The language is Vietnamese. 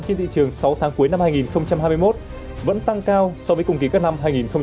trên thị trường sáu tháng cuối năm hai nghìn hai mươi một vẫn tăng cao so với cùng kỳ các năm hai nghìn một mươi chín hai nghìn hai mươi